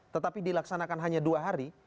tetapi dilaksanakan hanya dua hari